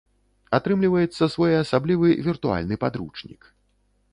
Атрымліваецца своеасаблівы віртуальны падручнік.